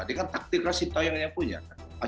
dengan taktik rasita yang dia punya